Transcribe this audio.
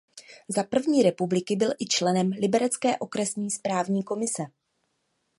Za první republiky byl i členem liberecké okresní správní komise.